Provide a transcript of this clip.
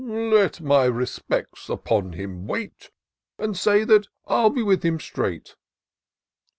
" Let my respects upon him wait, And say that I'll be with him straight."